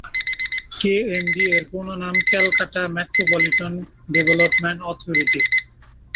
কেএমডিএ-এর পূর্বনাম Calcutta metropolitan development authority.